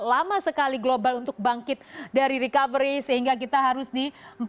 lama sekali global untuk bangkit dari recovery sehingga kita harus di empat ribu satu ratus dua puluh